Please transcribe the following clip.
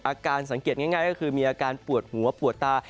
อาการสังเกตง่ายก็คือมีอาการปวดหัวปวดตา